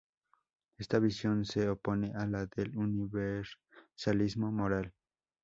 Esta visión se opone a la del universalismo moral.